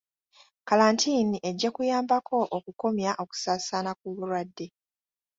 Kalantiini ejja kuyambako okukomya okusaasaana kw'obulwadde.